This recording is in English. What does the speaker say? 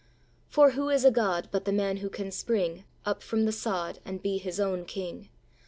For who is a god But the man who can spring Up from the sod, And be his own king?